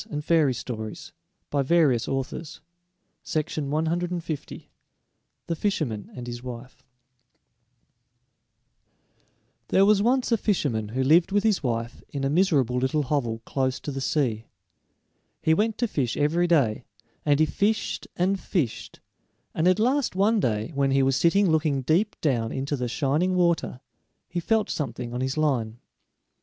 And there they are to this day, for anything I know. THE FISHERMAN AND HIS WIFE BY WILHELM AND JAKOB GRIMM There was once a fisherman who lived with his wife in a miserable little hovel close to the sea. He went to fish every day, and he fished and fished, and at last one day, when he was sitting looking deep down into the shining water, he felt something on his line.